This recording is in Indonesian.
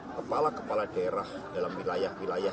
kepala kepala daerah dalam wilayah wilayah